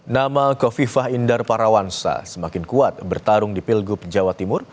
nama kofifah indar parawansa semakin kuat bertarung di pilgub jawa timur